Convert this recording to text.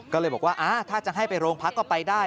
ก็เลยบอกว่าถ้าจะให้ไปโรงพักก็ไปได้